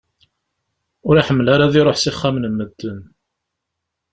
Ur iḥemmel ara ad iruḥ s ixxamen n medden.